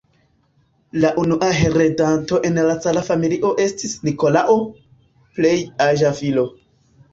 La unua heredonto en la cara familio estis "Nikolao", plej aĝa filo.